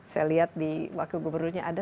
saya lihat di wakil gubernurnya ada